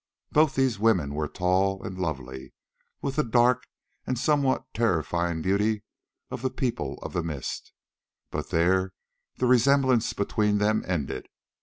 Both these women were tall and lovely with the dark and somewhat terrifying beauty of the People of the Mist, but there the resemblance between them ended.